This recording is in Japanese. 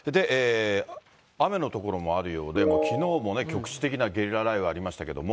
雨の所もあるようで、きのうも局地的なゲリラ雷雨がありましたけれども。